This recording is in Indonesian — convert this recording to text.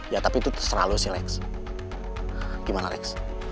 ya tapi itu terserah lo sih lex gimana lex